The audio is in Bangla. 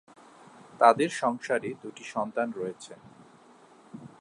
তাদের সংসারে দু'টি সন্তান রয়েছে।